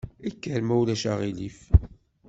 Kker ma ulac aɣilif.